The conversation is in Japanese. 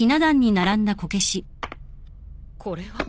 これは？